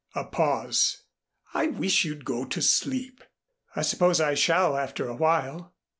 A pause. "I wish you'd go to sleep." "I suppose I shall after a while."